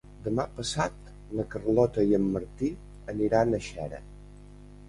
Demà passat na Carlota i en Martí aniran a Xera.